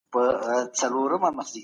لس تر ټولو لوی عدد دئ.